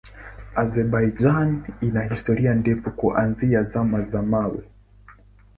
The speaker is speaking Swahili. Azerbaijan ina historia ndefu kuanzia Zama za Mawe.